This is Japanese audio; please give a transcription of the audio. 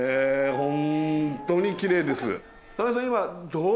本当にきれいです。